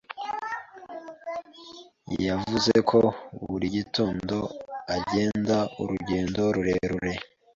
Yavuze ko buri gitondo agenda urugendo rurerure.